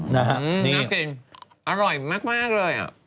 นี่น่ากินอร่อยมากเลย